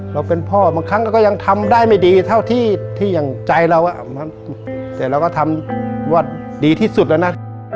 เราเป็นพ่อบางครั้งก็ยังทำได้ไม่ดีเท่าที่อย่างใจเราเสร็จเราก็ทำว่าดีที่สุดแล้วนะ